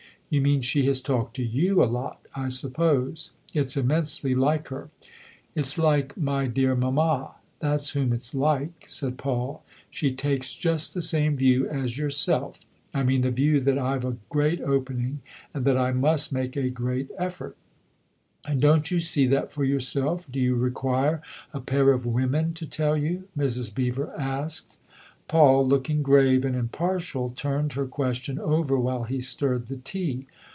" You mean she has talked to you a lot, I suppose. It's immensely like her." " It's like my dear mamma that's whom it's like," said Paul. " 'She takes just the same view as yourself. I mean the view that I've a great opening and that I must make a great effort." " And don't you see that for yourself? Do you require a pair of women to tell you ?" Mrs. Beever asked. Paul, looking grave and impartial, turned her question over while he stirred the tea.